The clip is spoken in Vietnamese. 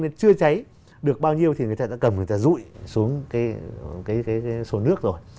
nên chưa cháy được bao nhiêu thì người ta đã cầm người ta rụi xuống cái sổ nước rồi